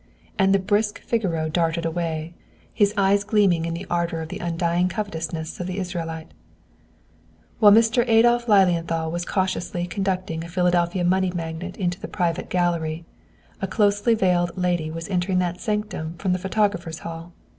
And the brisk Figaro darted away, his eyes gleaming in the ardor of the undying covetousness of the Israelite. While Mr. Adolph Lilienthal was cautiously conducting a Philadelphia money magnate into the "Private Gallery," a closely veiled lady was entering that sanctum from the photographer's hall.